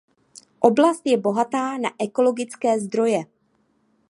Oblast je bohatá na ekologické zdroje.